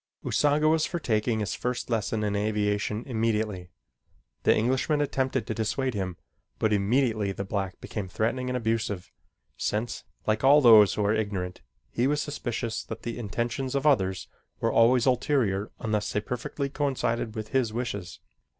Usanga was for taking his first lesson in aviation immediately. The Englishman attempted to dissuade him, but immediately the black became threatening and abusive, since, like all those who are ignorant, he was suspicious that the intentions of others were always ulterior unless they perfectly coincided with his wishes.